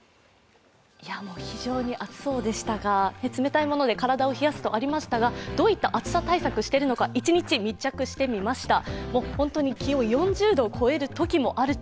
非常に暑そうでしたが、冷たいもので体を冷やすとありましたが、どういった暑さ対策をしているのか、一日密着してみました。